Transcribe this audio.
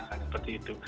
misalnya seperti itu